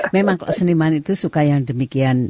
memang kalau seniman itu suka yang demikian